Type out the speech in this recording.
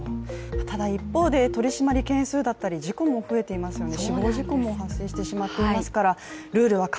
ただ一方で取り締まり件数だったり事故も増えていますよね。